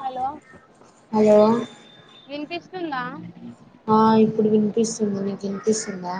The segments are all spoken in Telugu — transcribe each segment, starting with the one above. హలో హలో వినిపిస్తుందా ఆ ఇప్పుడు వినిపిస్తుంది నీకు వినిపిస్తుందా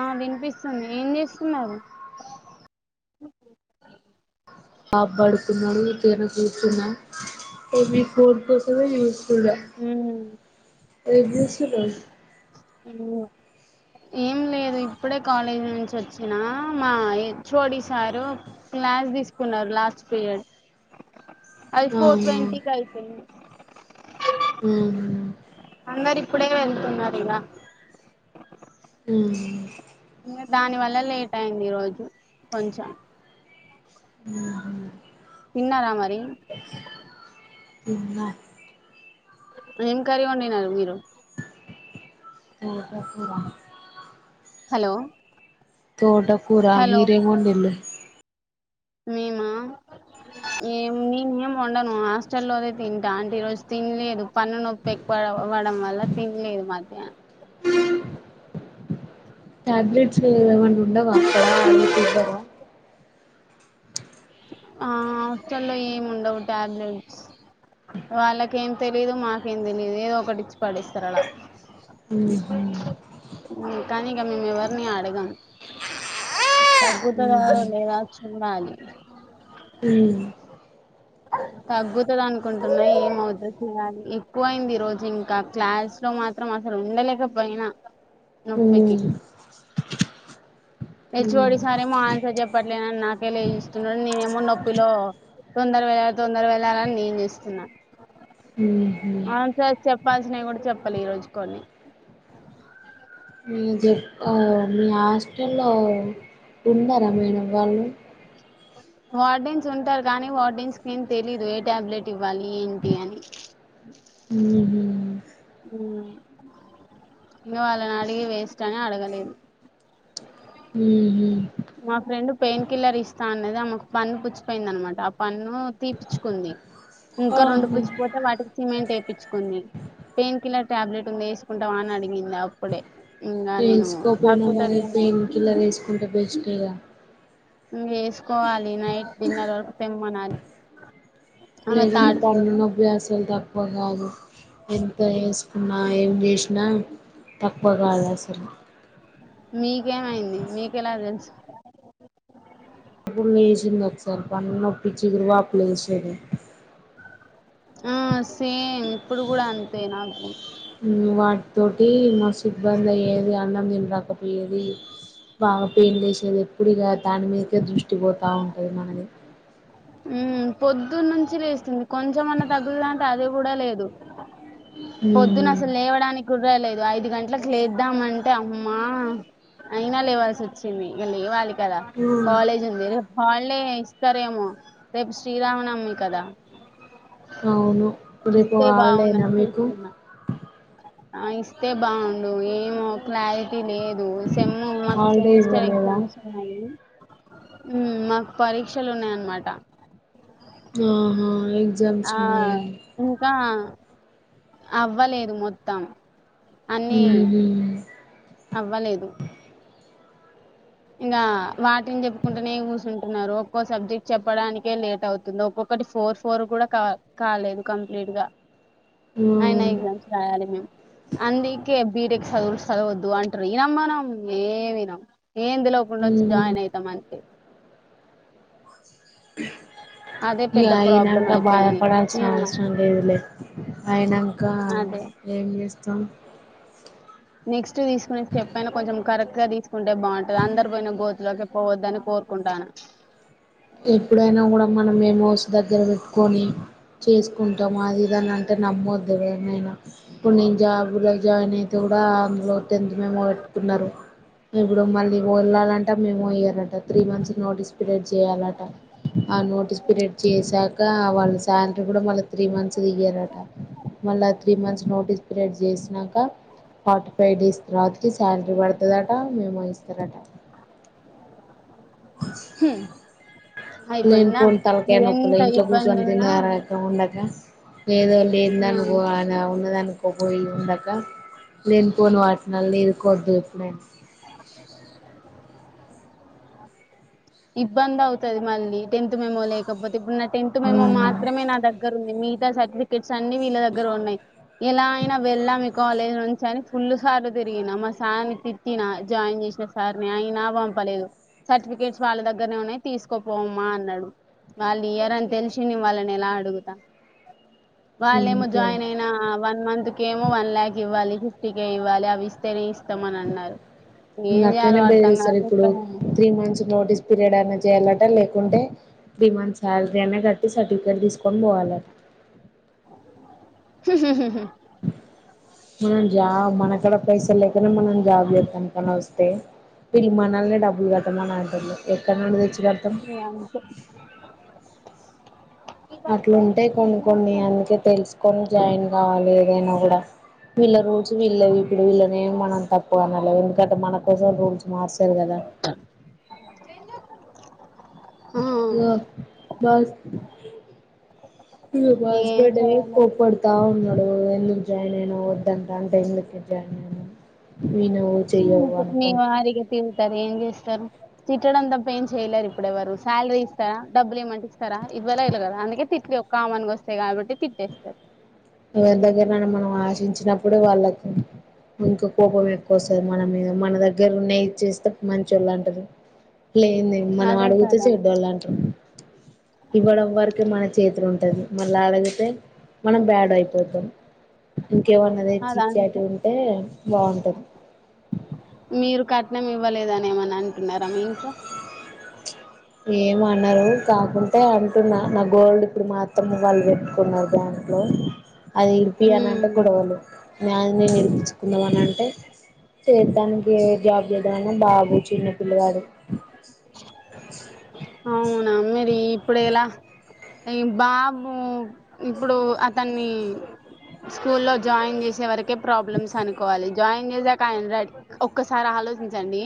ఆ వినిపిస్తుంది ఏం చేస్తున్నారు పాబ్ బడుకున్నాడు సెల్ చూస్తున్న మీ ఫోన్ కోసమే స్తున్న ఏం చేస్తున్నారు మ్ ఏం లేదు ఇప్పుడే కాలేజీ నుంచి వచ్చినా మా H O D sir class తీసుకున్నారు లాస్ట్ పీరియడ్ అది ఫోర్ ట్వంటీ కి అయిపోయింది ఉమ్ హు అందరు ఇప్పుడే వెళ్తున్నారు ఇలా ఉమ్ దాని వల్ల లేట్ అయింది ఈ రోజు కొంచెం తిన్నారా మరి తిన్నా ఏం కర్రి వండినారు మీరు తోట కూర హలో తోట కూర హలో మీరేం వండిలు మేమా ఏం నేను ఏం వండను హాస్టల్ లోదే తింటా అంటే ఈ రోజు తినలేదు పన్ను నొప్పి ఎ వడం వల్ల తినలేదు మధ్యాహ్న ట్యాబ్లెట్స్ ఏదమనా ఉండ వాస్త అద్ద ఆ హాస్టల్లో ఏమి ఉండవు టాబ్లెట్స్ వాళ్ళకేం తెలీదు మాకేం తెలీదు ఏదో ఒకటి ఇచ్చి పడస్తారు అలా ఉమ్ కానీక మేము ఎవరిని అడగాం తగ్గుత ఉహు లేదా చూడాలి మ్ అ తగ్గుతుంది అనుకుంటున్నా ఏమ అవుదు చేయాలి ఎక్కువ అయింది ఈ రోజు ఇంకా క్లాస్ లో మాత్రం మాసలు ఉండలేక పోయిన ఉమ్ హెచ్చకోడి సారేమో ఆన్సర్ చెప్పట్లేనని నాకే లే ఇస్తున్నాడు నేనేమో నొప్పిలో తొందర వెళ్ళాల తొందర వెళ్ళాలని నేను చుస్తున్నా ఉహు అవును సార్ చెప్పాల్సినవి కూడా చెప్పాలెదు ఈరోజు కొన్ని ఏం జేతన్లో లో మీ హాస్టల్లో ఉన్నారా వేరే వాళ్ళు వార్డిన్స్ ఉంటారు కానీ వార్డిన్స్ క ఏం తెలీదు ఏ టాబ్లెట్ ఇవ్వాలి ఏంటి అని హుమ్మ్ హు ఇంగ వాళ్ళని అడిగి వేస్ట్ అని అడగలేదు హు మ్మ్ మా ఫ్రెండ్ పెయిన్ కిల్లర్ ఇస్తా అనేది ఆమెకు పన్ను పుచ్చిపోయింది అనమాట ఆ పన్ను తీపిచ్చుకుంది ఇంకా రెండు ఆహా పుచ్చిపోతే వాటికి సిమెంట్ ఏపిచ్చుకుంది పెయిన్ కిలర్ ట్యాబ్లెట్ ఉంది వేసుకుంటవ అని అడిగింది అప్పుడే ఇంకా నేను వేసుకోపోయినా మరి తగ్గుతదేమో పెయిన్ కిల్లర్ అని వేసుకుంటే బెస్టేగా ఇం వేసుకోవాలి నైట్ డిన్నర్ వరకు తెమ్మనాలి ఆమె లేకుంటే థర్డ్ ఫ్లోర్ పన్ను నొప్పి అస్సలు తక్కువ కాదు ఎంత చేసుకున్నా ఏం చేసినా తక్కువ కాదు అసలు మీకేమైంది మీకెలా తెలుసు అప్పుడు లేసింది ఒకసారి పన్నొప్పి చిగురు వాపులు లేసేది హు సేమ్ ఇప్పుడు కూడా అంతే నాకు హు వాటితోటి మస్తు ఇబ్బంది అయ్యేది అన్నం తినరాక పొ ఏది వావ్ పెన్ లెసేది ఎప్పుడుఇగా దాని మీదేదృష్టి పోతా ఉంటది మనది హు పొద్దున్న నుంచి లేస్తుంది కొంచమన్నా తగ్గుతంటే అదే కూడా లేదు పొద్దున ఉమ్ అసలు లేవడానికి కుడలేదు ఐదు గంటలకు లేద్దాంంటే అమ్మా అయినా లేవాల్సి వచ్చింది లేవాలి కదా కాలేజీ ఉంది హాలిడే ఇస్తారేమో రేపు శ్రీరామ నవమి కాదా అవును రేపు హాలిడే నా మీకు సున్నా ఆ ఇస్తే బాగుండు ఏమో క్లారిటీ లేదు సిమ్ము మాకు హాలిడే సెమిస్టర్ ఇవ్వలేదా ఎగ్జామ్స్ ఉన్నాయి హు మాకు పరీక్షలు ఉన్నాయన్నమాట ఆహా ఎగ్జామ్స్ ఆహా ఉన్నాయా ఇంకా హ అవ్వలేదు మొత్తం హు అన్ని మ్మ్ అవ్వలేదు ఇంగ వాటిని చెప్పుకుంటేనే కూర్చుంటున్నారు ఒక్కో సబ్జెక్ట్ చెప్పడానికే లేట్ అవుతుంది ఒక్కొక్క ఒకటి ఫోర్ ఫోర్ కూడా కా కాలేదు కంప్లీట్ గా అయినా ఎగ్జామ్స్ రాయాలి మేము అందికే బీటెక్ చదువులు చదవద్దు అంటారు ఇనమ్ మనం ఏమి ఈనం ఎందులోపుండ వచ్చి జాయిన్ అవుతాం అంతే అదే ఇగ‌ పెద్ద ప్రాబ్లం అయినంక అయిపోయింది బాధపడాల్సిన అవసరం లేదులే అయినాంక అదే ఏం చేస్తాం నెక్స్ట్ తీసుకునే స్టెప్ అయినా కొంచెం కరెక్ట్ స తీసుకుంటే బాగుంటుంది అందరు పోయిన గోతులోకి పోవద్దని కోరుకుంటాను ఎప్పుడైనా కూడా మనం మెమోస్ దగ్గర పెట్టుకొని చేసుకుంటాము అది ఇది అంటే నమ్మొద్దు ఎవరినైనా ఇప్పుడు నేను జాబులో జాయిన్ అయి ఆ అందులో టెన్త్ మేమో పెట్టుకున్నారు ఇప్పుడు మళ్ళీ వెళ్ళాలంటే మేము ఇయ్యరట త్రీ మంత్స్ నోటిస్ పిరియడ్ చేయాల ఆ నోటీస్ పీరియడ్ చేసాక వాళ్ళ శాలరీ కూడా మళ్ళ త్రీ మంత్స్ ఇయ్యరట మళ్ళా త్రీ మంత్స్ నోటీస్ పీరియడ్ చేసినాక ఫార్టీ ఫైవ్ డేస్ తర్వాతకి శాలరీ పడుతుందట మేమో ఇస్తారట హ అయిపోయిందా లేనిపోని తలకాయ నొప్పులు మీవెంత ఇంట్లో కూర్చొని ఇబ్బందిన్నా తినరాక ఉండక ఏదో లేని దానుకో అని ఉన్నదానికి పోయి ఉండక లేనిపోని వాటినల్ ఎరుకోవడదుపును ఇబ్బంది అవుతుది మళ్ళీ టెన్త్ మెమో లేకపోతే ఇప్పుడు టెన్త్ మేమో మాత్రమే నా దగ్గర ఉంది మిగతా సర్టిఫికేట్ అన్నీ వీళ్ళ దగ్గర ఉన్నాయి ఎలా అయినా వెళ్ళాము కాలేజ్ నుంచి అని ఫుల్లు సార్లు తిరిగిన మా సార్ని తిట్టినా జాయిన్ చేసిన సార్ని అయినా పంపలేదు సర్టిఫికేట్ వాళ్ళ దగ్గరనే ఉన్నాయి తీసుకోపోమ్మా అన్నాడు వాళ్ళు ఇయ్యరని తెలిసి నేను వాళ్ళని ఎలా అడుగుతా అ వాళ్ళేమో జాయిన్ అయిన వన్ మంత్ కేమో వన్ ల్యాక్ ఇవ్వాలి టికే ఇవ్వాలి అవి ఇస్తాం ఇస్తమ అని అన్నారు ఇంగ ఏం అట్లనే చేయాలో అర్ధం బెదిరిస్తారు కాక ఇప్పుడు ఇక్కడ త్రీ మంత్స్ నోటీస్ పీరియడ్ అయినా చేయాలట లేకుంటే త్రీ మంత్ సాలరీ అయిన కట్టి సర్టిఫికెట్ తీసుకొని పోవాలి హు మనం జాబ్ మనకడ పైసా లేకనే మనం జాబ్ చేతామని వస్తే విడు మానల్నే డబ్బులు కట్టమని అంటుగతుల్లు ఎక్క అంతే అట్లుంటేయి కొన్ని కొన్ని అందుకే తెలుసుకొని జాయిన్ కావాలి ఏదైనా కూడా వీళ్ళ రూల్స్ వీళ్ళ ఇప్పుడు వీళ్ళనేమి మనం తప్పు అనలేవు ఎందుకంటే మనకు ఒక్కసం రూల్స్ మార్చారు కదా లో అంతే బస్ మి ఏం హస్బెడ్ ఎమో చేయలేం కోప్పడతా ఉన్నాడు ఎందు జాయిన్ అయినవు వద్దంటా ఎందుకే జాయిన్ అయను ంతే మీ వరిగా తిరుతారు ఏం చేస్తారు తిట్టడంతా ఎయిన్ చేయలేరు ఇప్పుడుెవరు సాలరీ ఇస్తారాడబుల్ ఇమంటే ఇస్తా ఇవ్వ లేరు కదా అందుకే తి ఒ కమాన్గా వస్తాయి కాబట్టి తిట్టేస్తారు ఎవరి దగ్గరన్న మనం ఆశించినప్పుడే వాళ్ళకి ఇంకా కోపం ఎక్కువ వస్తుంది మన మీద మన దగ్గర ఉన్నాయి ఇచేస్తే మంచి వాళ్ళు అంటరు లే లే మనం అదే అడుగుతే కదా చెడ్ద్దవాళ్ళు అంటరు ఇవ్వడం వరకే మన చేతులు ఉంటది మళ్ళీ అదిగితే మనం ం ఇంకేమన్నాది చ చాటి అదంతే ఉంటే బాగుంటది మీరు కట్నం ఇవ్వలేదనేమని అంటున్నార మీ ఇంట్లో ఏమన్నారు కాకుంటే అంటున్నా నా గోల్డ్ ఇప్పుడు మాఅత్తమ్మ వాళ్ళు పెట్టుకున్నారు బ్యా అది విడిపి అని అంటే ఉమ్ గొడవలు నాది నేను విడిపించుకుందామ అని అంటే చేతానికి ఏ జాబ్ చేద్దమన్నా బాబు చిన్న పిల్లగాడు అవునా మరి ఇప్పుడు ఎలా ఎ బాబు ఇప్పుడు అతన్ని స్కూ లో జాయిన్ చేసే వరకే ప్రాబ్లమ్స్ అనుకోవాలి జాయిన్ చేసాక ఆయన రాడి ఒక్కసారి ఆలోచించండి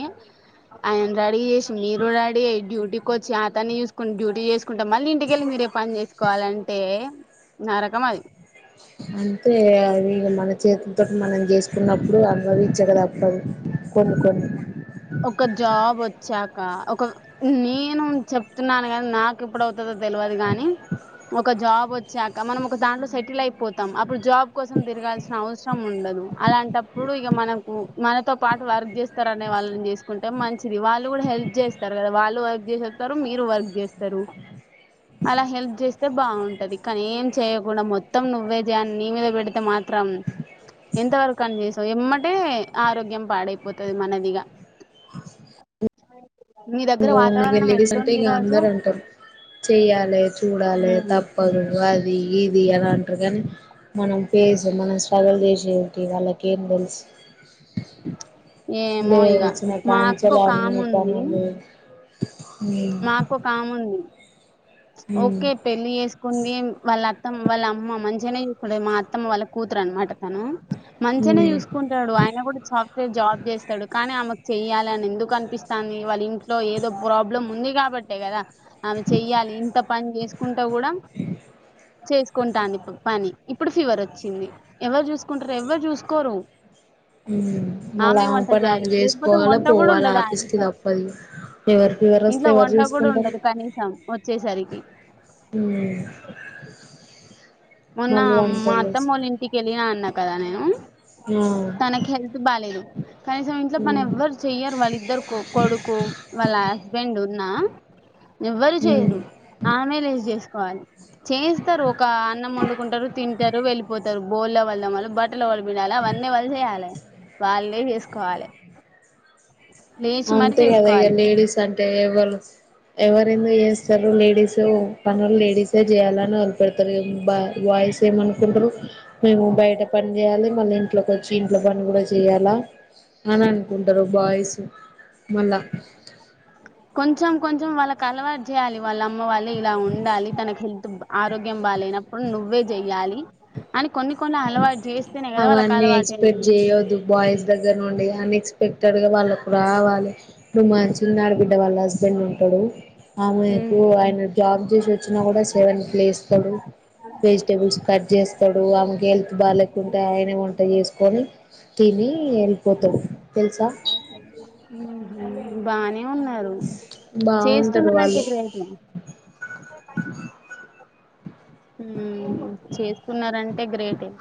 ఆయన రెడీ చేసి మీరు రెడీ అయే డ్యూటీకి వచ్చి అతన్ని చూసుకుని డ్యూటీ చేసుకుంటా మళ్ళీ ఇంటికి వెళ్ళి మీరే పని చేసుకోవాలంటే అంటే నరకం అది అంటే అది మన చేతులతో మనం చేసుకున్నప్పుడు అనుభవించక తప్పదు కొన్నికొన్ని ఒక జాబ్ వచ్చాక ఒక నేను చెప్తున్నాను కానీ నాకు ఇప్పుడు వాతదో తెల్వదు గాని ఒక జాబ్ వచ్చాక మనం ఒక దాంట్లొ సెటిల్ అయ్పోతాం అప్పుడు జాబ్ కోసం తిరగాల్సిన అవసరం ఉండదు అలాంటప్పుడు ఇగ మనకూ మనతో పాటు వర్క్ చేస్తారు అనే వాళ్ళని చేసు కుంటే మంచిది వాళ్ళు కూడ హెల్ప్ చేస్తారు కదా వాళ్ళు వర్క్ చేసి వస్తారు మీరు వర్క్ చేస్తారు అలా హెల్ప్ చేస్తే బావుంటది కనీ ఏం చేయకుండా మొత్తం నువ్వే జాయే అనీ మీద పెడితె మాత్ త్రం ఎంతవరకు అని చేస్తావ్ ఎమ్మటే ఆరోగ్యం పాడైపోతుంది మనది ఇగ [inaudible] ఆమో ఇగా లేడీస్ అంటే ఇక అందరూ అంటారు చెయ్యాలె చూడాలె ఉమ్ తప్పదు అది ఇది అల అంటరు కానీ మనం ఫేస్ మనం స్ట్రగుల్ చేసేటివి వాళ్ళకేం తెలుస్ ఏమో ఇగ లేచిన మా కాంచి అక్క ఒక అన్ని పనులు [inaudible] మాకు ఒక ఆమె ఉంది ఉమ్ ఓకే పెళ్ళి చేసుకుంది వాళ్ళ అత త్తం వాళ్ళ అమ్మ మంచిగనె చూసుకుంటది మా అత్తమ్మ వాళ్ళ కూతురు అన్నమాట తను మంచిగనే చూసుకుంటడు ఆయన కూడ సాఫ్ట్ వేర్ జాబ్ చేస్తడు కానీ ఆమెక్ చెయ్యాలని ఎందుకనిపిస్తాంది వాళ్ళ ఇంట్లో ఏదో ప్రాబ్ బ్లమ్ ఉంది కాబట్టే కదా అమె చెయ్యాలి ఇంత పని చేసుకుంటా కూడ చేసుకుంటాంది ఇప్పుడు పని ఇప్పుడు ఫీవర్ వచ్చింది ఎవరు చూసుకుంటారు ఎవ్వరు చూసుకోరు ఊ మల్ల ఆమె వంట పని చేయాలి లేకపోతే చేసుకోవాలి వంట కూడా పోవాల ఉండదు ఆ ఆఫీస్ కి ఇంట్లో తప్పదు ఎవర ఫీవర్ వస్తే ఇంట్లో ఎవర్ వంట కూడా చూసుకుంటరు ఉండదు కనీసం వచ్చేసరికి ఊ మొన్నా మా చేసి అత్తమ్మ ఒళ్ళ ఇంటికి ఎళ్ళినా అన్న కదా నేనూ ఆ తనకి హెల్త్ బాలేదు కనీసం ఇంట్లో పని ఉమ్ ఎవ్వరు చెయ్యరు వాళ్ళిద్దరు కొడుకు వల్ల హస్బెండ్ ఉన్నా ఎవ్వరు ఉమ్ చెయ్యరు ఆమె లేసి చేసుకోవాలి చేస్తరు ఒకా అన్నం వండుకుంటరు తింటరు వెళ్ళిపోతరు బొల్లు ఎవల్ తోమాల బట్ బట్టల్ ఎవలు పిండాలే అవన్నీ ఎవలు చేయాలె వాల్లే చేసుకోవాలే అంతే కదా ఇగ లేడీస్ అంటె ఎవ్వరు ఎవరు ఎందుకు చేస్తరు లేడీస్ సో పనుల్ లేడీసే చేయాలని వదిలిపెడతారు బా బాయ్స్ ఏమనుకుంటరు మేము బయట పని చేయాలి మళ్లి ఇంట్లోకొచ్చి ఇంట్లో పని కూడ చేయాల అన్ అనుకుంటరు బాయ్స్ మల్ల కొంచెం కొంచెం వాళ్ళక్ అలవాటు చేయాలి వాళ్ళ అమ్మ వల్లే ఇలా ఉండాలి తనకు హెల్త్ ఆరోగ్యం బాలే నప్పుడు నువ్వే చెయ్యాలి అని కొన్ని కొన్ని అలవాటు చేస్తేనే కదా వాళ్ళకి అవన్నీ ఎక్స్పెక్ట్ అలవాటైది చెయ్యొద్దు బాయ్స్ దగ్గర నుండి అన్ఎక్స్పెక్టెడ్ గా వాళ్ళకు రావాలే మా చిన్నా ఆడబిడ్డ వాళ్ళ హస్బెండ్ ఉంటడూ ఉమ్ ఆమేకు ఆయన జాబ్ చేసి వచ్చినా కూడా సెవెన్ కి లేస్తడు వెజిటేబుల్స్ కట్ చేస్తడు ఆమెకు హెల్త్ బాలేకుంటే ఆయనే వంట చేసుకొని తినీ ఎళ్ళిపోతడు తెల్సా ఉమ్ బానే ఉన్నరు బాగుంటారు చేస్తున్నారంటే వాళ్ళు గ్రేటు [inaudible] ఊ చేస్కున్నారంటే గ్రేటే